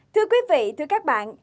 thưa quý vị thưa các bạn